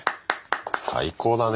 最高だね。